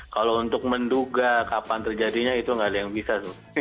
kalau untuk menduga kapan terjadinya itu nggak ada yang bisa